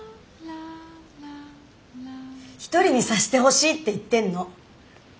一人にさせてほしいって言ってんの！